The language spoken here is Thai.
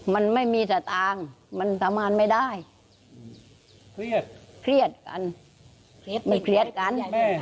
มันไม่มีสัตว์ต่างมันทำงานไม่ได้เครียดกันไม่เครียดกัน